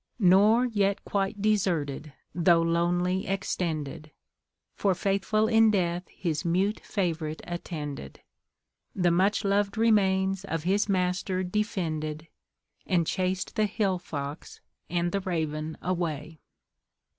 Nor yet quite deserted, though lonely extended, For faithful in death his mute fav'rite attended, The much lov'd remains of his master defended, And chas'd the hill fox and the raven away."